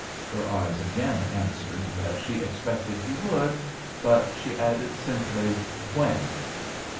Her eyes again answered that she expected he would, but she added, simply, "When?"